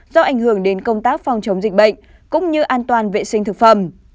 do ảnh hưởng đến công tác phòng chống dịch bệnh cũng như an toàn vệ sinh thực phẩm